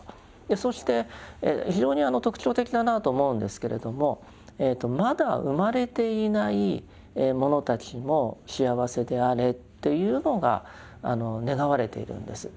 そして非常に特徴的だなと思うんですけれどもまだ生まれていないものたちも幸せであれというのが願われているんです。